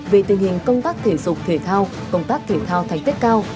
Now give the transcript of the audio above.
về tình hình công tác thể dục thể thao công tác thể thao thành tích cao